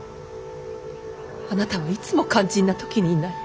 あなたはいつも肝心な時にいない。